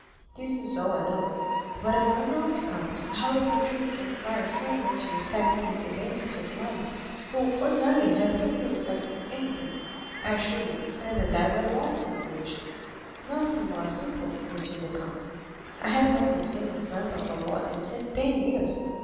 This is all I know, but I know not, count, how you contrived to inspire so much respect in the bandits of Rome who ordinarily have so little respect for anything. I assure you, Franz and I were lost in admiration." "Nothing more simple," returned the count. "I had known the famous Vampa for more than ten years.